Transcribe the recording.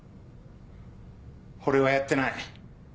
俺はやってない。